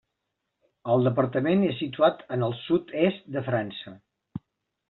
El departament és situat en el sud-est de França.